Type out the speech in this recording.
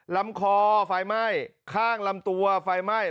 ลำคอไฟไหม้ข้างลำตัวไฟไหม้